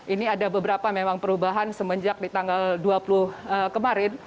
ini ada beberapa memang perubahan semenjak di tanggal dua puluh kemarin